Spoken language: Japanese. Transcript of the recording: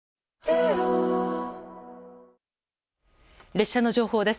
列車の情報です。